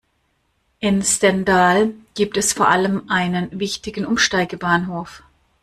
In Stendal gibt es vor allem einen wichtigen Umsteigebahnhof.